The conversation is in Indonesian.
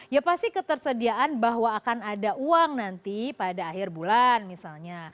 ya pasti ketersediaan bahwa akan ada uang nanti pada akhir bulan misalnya